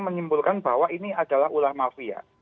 menyimpulkan bahwa ini adalah ulah mafia